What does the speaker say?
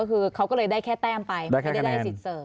คือเขาก็เลยได้แค่แต้มไปไม่ได้ได้สิทธิ์เสริม